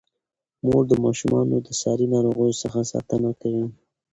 مور د ماشومانو د ساري ناروغیو څخه ساتنه کوي.